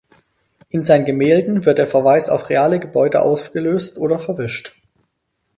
In seinen Gemälden wird der Verweis auf reale Gebäude aufgelöst oder verwischt.